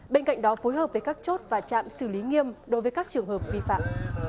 bên cạnh đó phối hợp với các chốt và chạm xử lý nghiêm đối với các trường hợp vi phạm